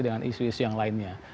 dengan isu isu yang lainnya